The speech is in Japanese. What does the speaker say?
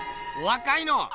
お若いの！